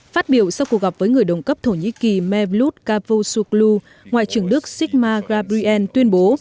phát biểu sau cuộc gặp với người đồng cấp thổ nhĩ kỳ mevlut cavusoglu ngoại trưởng đức sigmar gabriel tuyên bố